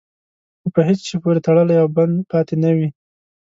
خو په هېڅ شي پورې تړلی او بند پاتې نه وي.